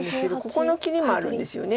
ここの切りもあるんですよね。